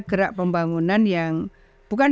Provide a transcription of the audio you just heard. gerak pembangunan yang bukan